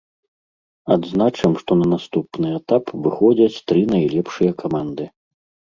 Адзначым, што на наступны этап выходзяць тры найлепшыя каманды.